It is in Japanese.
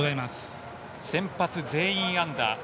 先発全員安打。